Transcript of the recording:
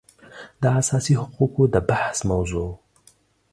د اساسي حقوقو د بحث موضوع